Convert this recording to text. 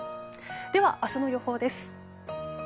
明日の予報です。